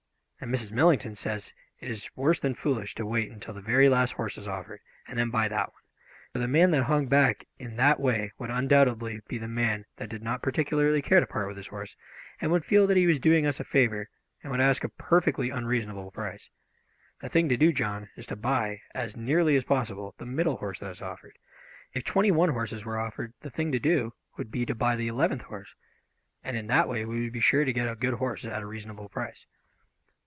And Mrs. Millington says it is worse than foolish to wait until the very last horse is offered and then buy that one, for the man that hung back in that way would undoubtedly be the man that did not particularly care to part with his horse, and would feel that he was doing us a favour, and would ask a perfectly unreasonable price. The thing to do, John, is to buy, as nearly as possible, the middle horse that is offered. If twenty one horses were offered the thing to do would be to buy the eleventh horse, and in that way we would be sure to get a good horse at a reasonable price."